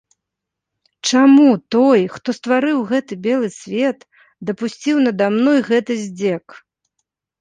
Чаму той, хто стварыў гэты белы свет, дапусціў нада мной гэты здзек?